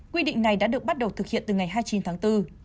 quy định này đã được bắt đầu thực hiện từ ngày hai mươi chín tháng bốn